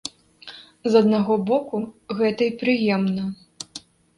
З аднаго боку, гэта і прыемна.